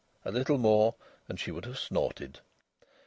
A little more, and she would have snorted.